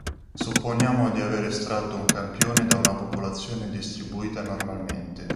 Supponiamo di aver estratto un campione da una popolazione distribuita normalmente.